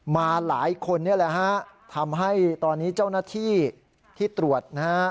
มาหลายคนนี่แหละฮะทำให้ตอนนี้เจ้าหน้าที่ที่ตรวจนะฮะ